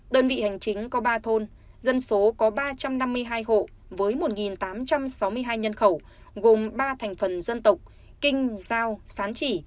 đơn vị hành chính có ba thôn dân số có ba trăm năm mươi hai hộ với một tám trăm sáu mươi hai nhân khẩu gồm ba thành phần dân tộc